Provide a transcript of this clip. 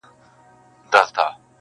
زه د ګرېوان په څېرېدلو غاړه نه باسمه,